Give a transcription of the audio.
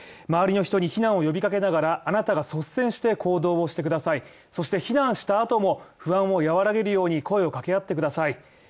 周りの人に避難を呼びかけながらあなたが率先して行動をしてください、そして避難した後も不安を和らげるように声を掛け合ってください。